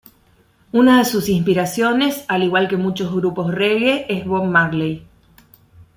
Una de sus inspiraciones al igual que muchos grupos reggae es Bob Marley.